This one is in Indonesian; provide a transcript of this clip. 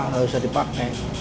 nggak usah dipakai